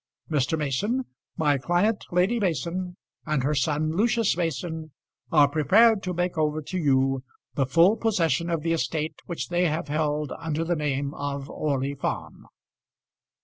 Mr. Mason, my client Lady Mason, and her son Lucius Mason, are prepared to make over to you the full possession of the estate which they have held under the name of Orley Farm."